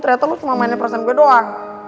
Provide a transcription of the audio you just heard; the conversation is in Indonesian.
ternyata lo cuma mainnya perasaan gue doang